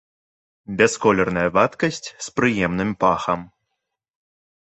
Бясколерная вадкасць з прыемным пахам.